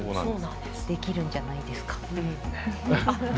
できるんじゃないですか？